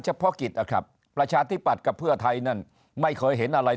เฉพาะกิจนะครับประชาธิปัตย์กับเพื่อไทยนั่นไม่เคยเห็นอะไร